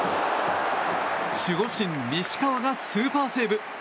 守護神・西川がスーパーセーブ。